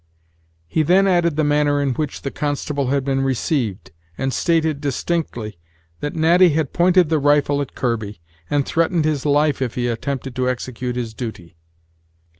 He then added the manner in which the constable had been received; and stated, distinctly, that Natty had pointed the rifle at Kirby, and threatened his life if he attempted to execute his duty.